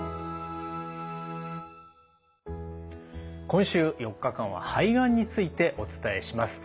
今週４日間は肺がんについてお伝えします。